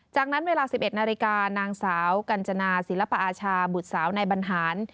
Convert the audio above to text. จากนั้นเวลา๑๑นาฬิกานางสาวกัญจนาศิลปอาชาบุตรสาวนายบรรหาร